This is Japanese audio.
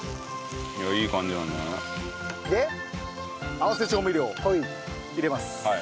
合わせ調味料を入れます。